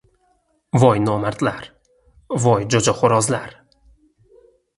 Voy nomardlar! Voy jo‘jaxo‘rozlar!